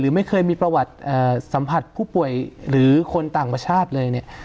ไม่เคยมีประวัติสัมผัสผู้ป่วยหรือคนต่างประเทศเลยเนี่ย